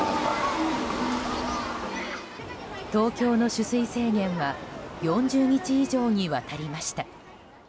東京の取水制限は４０日以上にわたりました。